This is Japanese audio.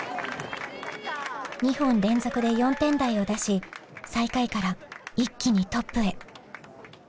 ２本連続で４点台を出し最下位から一気にトップへ。